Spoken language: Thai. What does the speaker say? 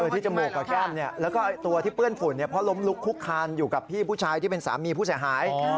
ที่จมูกกับแก้มแล้วก็ตัวที่เปื้อนฝุ่นเพราะล้มลุกคุกคานอยู่กับพี่ผู้ชายที่เป็นสามีผู้เสียหาย